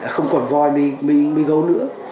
không còn voi mi gấu nữa